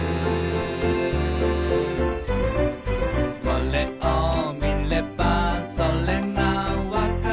「これを見ればそれが分かる」